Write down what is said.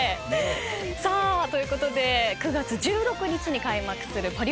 さあということで９月１６日に開幕するパリオリンピック予選。